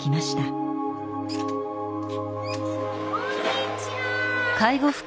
あっこんにちは。